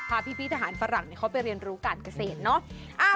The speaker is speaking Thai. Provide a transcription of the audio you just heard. พาพี่ทหารฝรั่งเขาไปเรียนรู้การเกษตรเนอะ